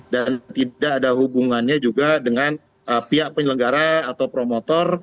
dan tidak ada hubungannya juga dengan pihak penyelenggara atau promotor